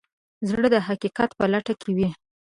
زړه د حقیقت په لټه کې وي.